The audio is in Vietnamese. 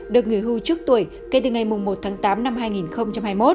được nghỉ hưu trước tuổi kể từ ngày một tháng tám năm hai nghìn hai mươi một